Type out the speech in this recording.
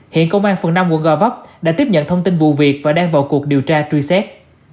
hiện công an phường năm quận gò vấp đã tiếp nhận thông tin vụ việc và đang vào cuộc điều tra truy xét